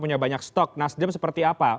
punya banyak stok nasdem seperti apa